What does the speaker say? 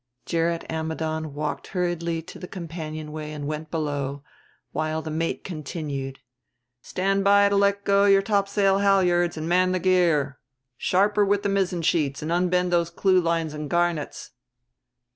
Gerrit Ammidon walked hurriedly to the companionway and went below, while the mate continued, "Stand by to let go your topsail halliards and man the gear. Sharper with the mizzen sheets and unbend those clew lines and garnets...